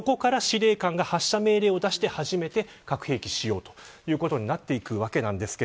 そこから司令官が発射命令を出して初めて核兵器を使用ということになっていきます。